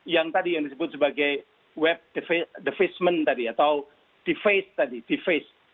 yang tadi yang disebut sebagai web defacement atau deface